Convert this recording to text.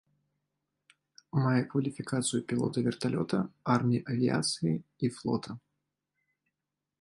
Мае кваліфікацыю пілота верталёта арміі авіяцыі і флота.